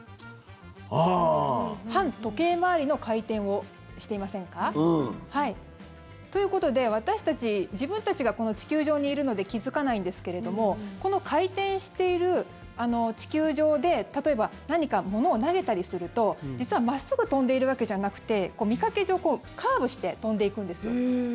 反時計回りの回転をしていませんか？ということで、私たち自分たちがこの地球上にいるので気付かないんですけれどもこの回転している地球上で例えば、何か物を投げたりすると実は真っすぐ飛んでいるわけじゃなくて見かけ上カーブして飛んでいくんですよ。